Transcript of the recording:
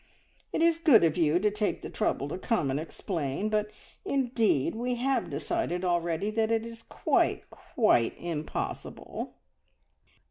It is good of you to take the trouble to come and explain, but indeed we have decided already that it is quite, quite impossible!"